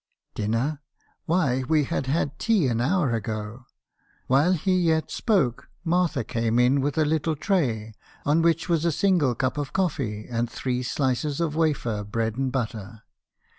"Dinner! Why, we had had tea an hour ago. While he yet spoke, Martha came in with a little tray, on which was a single cup of coffee and three slices of wafer bread and butter.